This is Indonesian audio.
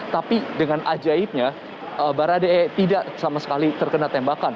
tapi dengan ajaibnya baradae tidak sama sekali terkena tembakan